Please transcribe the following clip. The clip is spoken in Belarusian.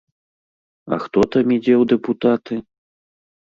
А хто там ідзе ў дэпутаты?